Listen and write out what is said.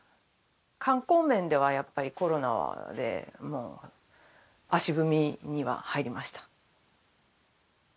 観光面ではやっぱりコロナで足踏みには入りました。